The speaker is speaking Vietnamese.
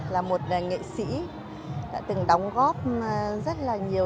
là một nghệ sĩ đã từng đóng góp rất là nhiều